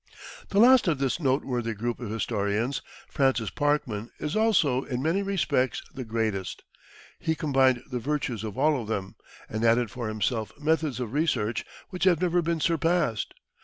The last of this noteworthy group of historians, Francis Parkman, is also, in many respects, the greatest. He combined the virtues of all of them, and added for himself methods of research which have never been surpassed.